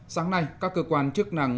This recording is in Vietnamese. sáng nay các cơ quan chức năng